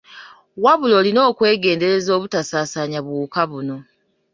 Wabula olina okwegendereza obutasaasaanya buwuka buno.